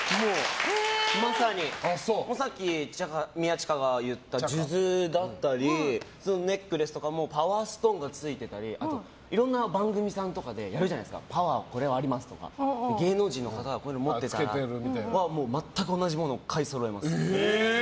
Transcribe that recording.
さっき宮近が言った数珠だったりネックレスとかもパワーストーンがついていたりいろんな番組さんとかでやるじゃないですかパワー、これはありますとか芸能人の方はこれを持っているとか全く同じものを買いそろえます。